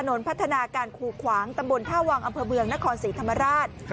ถนนพัฒนาการคูขวางตำบลท่าวังอำเภอเมืองนครศรีธรรมราช